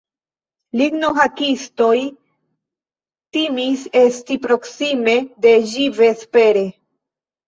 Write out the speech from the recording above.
Lignohakistoj timis esti proksime de ĝi vespere.